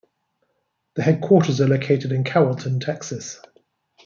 The headquarters are located in Carrollton, Texas.